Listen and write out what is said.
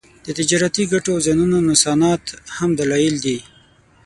د تجارتي ګټو او زیانونو نوسانات هم دلایل دي